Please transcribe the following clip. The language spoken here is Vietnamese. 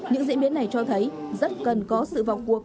những diễn biến này cho thấy rất cần có sự vào cuộc